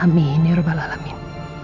amin ya rabbal alamin